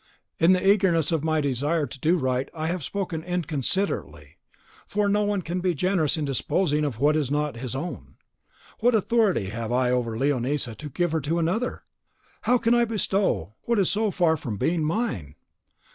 In the eagerness of my desire to do right, I have spoken inconsiderately, for no one can be generous in disposing of what is not his own. What authority have I over Leonisa to give her to another? Or how can I bestow what is so far from being mine?